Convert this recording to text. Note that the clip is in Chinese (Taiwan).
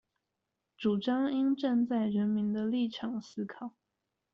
主張應站在人民的立場思考